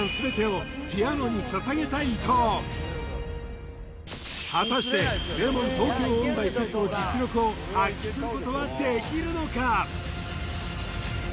伊藤果たして名門東京音大卒の実力を発揮することはできるのか？